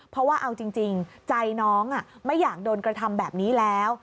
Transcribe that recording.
เพราะว่าเอาจริงใจน้องไม่อยากโดนกระทำแบบนี้แล้ว